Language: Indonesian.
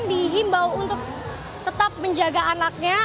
dihimbau untuk tetap menjaga anaknya